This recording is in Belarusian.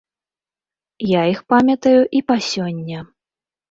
Я іх памятаю і па сёння.